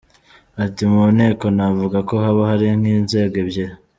Ati “Mu nteko navuga ko haba hari nk’inzego ebyiri.